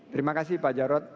terima kasih pak jarod